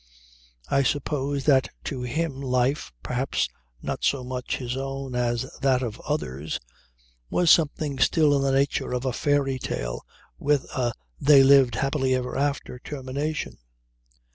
I suppose that to him life, perhaps not so much his own as that of others, was something still in the nature of a fairy tale with a 'they lived happy ever after' termination.